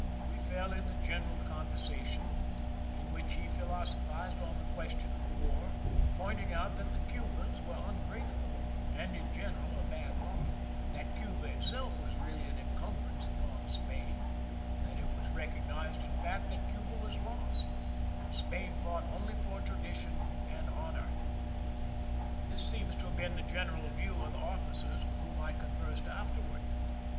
We fell into general conversation, in which he philoso phized on the question of the war, pointing out that the Cubans were ungrateful and, in general, a bad lot ; that Cuba itself was really an encumbrance upon Spain; that it was recognized, in fact, that Cuba was lost, and Spain fought only for tradition and honor. This seems to have been the general view of the officers with whom I conversed after ward.